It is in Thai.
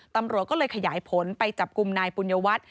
ตำรวจก็เลยขยายผลไปจับกลุ่มนายปุญญวัตร